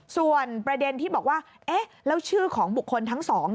ส่วนประเด็นที่บอกว่าแล้วชื่อของบุคคลทั้งสอง